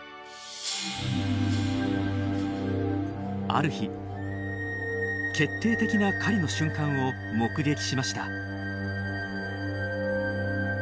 ある日決定的な狩りの瞬間を目撃しました。